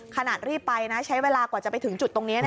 ขนาดรีบไปนะใช้เวลากว่าจะไปถึงจุดตรงนี้